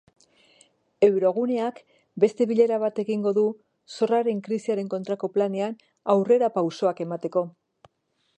Euroguneak beste bilera bat egingo du zorraren krisiaren kontrako planean aurrerapausoak emateko.